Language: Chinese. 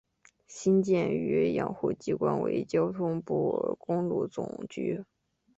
新建与养护机关为交通部公路总局。